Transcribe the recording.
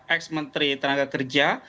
eks menteri tenaga kerja